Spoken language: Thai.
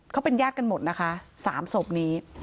เขาเป็นญาติกันหมดนะคะ๓ศพนี้